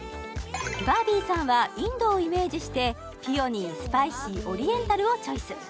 バービーさんはインドをイメージしてピオニースパイシーオリエンタルをチョイス